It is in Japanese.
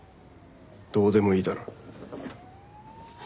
どうでもいいだろ。